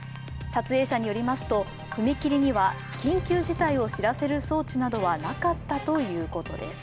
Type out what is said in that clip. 撮影者によりますと踏切には緊急事態を知らせる装置などはなかったということです。